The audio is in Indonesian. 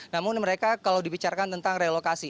namun mereka kalau dibicarakan tentang relokasi